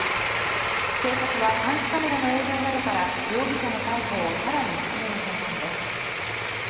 警察は監視カメラの映像などから容疑者の逮捕を更に進める方針です。